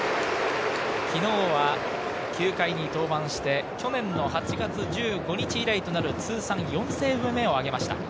昨日は９回に登板して、去年の８月１５日以来となる通算４セーブ目を挙げました。